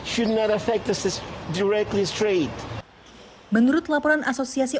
saya membayar lima enam puluh lima enam puluh dolar